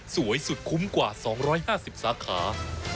สวยสุดคุ้มกว่า๒๕๐สาขา